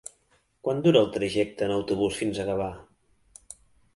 Quant dura el trajecte en autobús fins a Gavà?